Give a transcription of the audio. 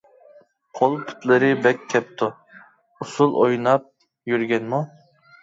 قول-پۇتلىرى بەك كەپتۇ، ئۇسۇل ئويناپ يۈرگەنمۇ.